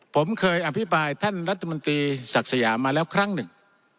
ผมเคยอภิปรายท่านรัฐมนตรีศักดิ์สยามมาแล้วครั้งหนึ่ง